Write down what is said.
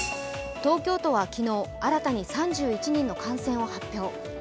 東京都は昨日、新たに３１人の感染を発表。